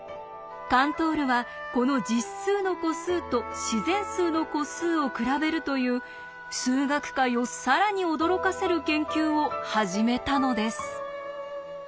カントールはこの実数の個数と自然数の個数を比べるという数学界を更に驚かせる研究を始めたのです。